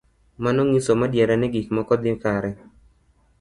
Mano ng'iso madiera ni gik moko dhi kare.